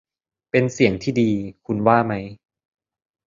เป็นเสียงที่ดี คุณว่าไหม